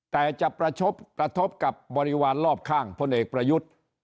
แต่จะกระทบกับบริวารรอบข้างพลเอกประยุทธ์